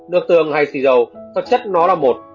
nước tương hay xì dầu tật chất nó là một